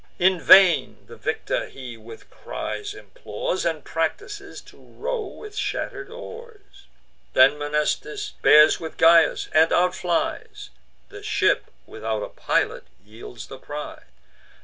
In vain the victor he with cries implores, And practices to row with shatter'd oars. Then Mnestheus bears with Gyas, and outflies: The ship, without a pilot, yields the prize.